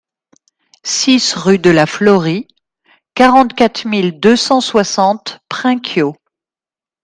six rue de la Florie, quarante-quatre mille deux cent soixante Prinquiau